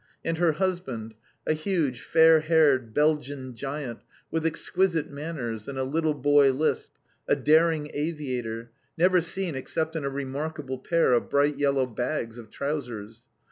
And her husband, a huge, fair haired Belgian giant with exquisite manners and a little boy lisp a daring aviator never seen except in a remarkable pair of bright yellow bags of trousers.